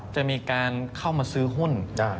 จะมีการเข้ามาซื้อหุ้น